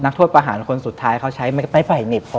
นักโทษประหารคนสุดท้ายเขาใช้ไม่ไผ่เน็ตพอ